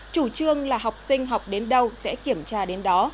chủ trương là học sinh học đến đâu sẽ kiểm tra đến đó